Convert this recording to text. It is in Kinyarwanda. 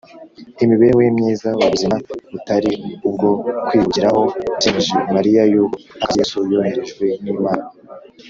. Imibereho ye myiza, ubuzima butari ubwo kwihugiraho, byemeje Mariya yuko nta kabuza Yesu yoherejwe n’Imana